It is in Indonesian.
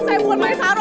saya bukan maisaroh